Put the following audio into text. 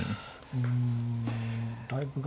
うん。